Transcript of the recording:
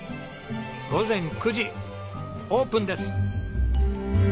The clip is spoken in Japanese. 午前９時オープンです！